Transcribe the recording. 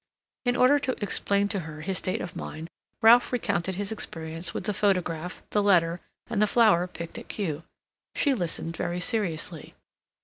In order to explain to her his state of mind, Ralph recounted his experience with the photograph, the letter, and the flower picked at Kew. She listened very seriously.